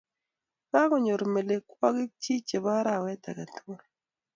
Kakonyor melekwokik chii chebo arawet age tugul